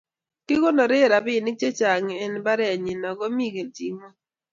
Kikonore robinik chechang eng mbarenyii ago mi keljin ngweny